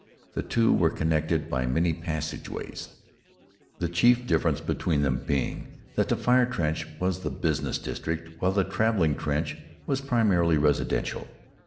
The two were connected by many passageways, the chief difference between them being that the fire trench was the business district, while the traveling trench was primarily residential.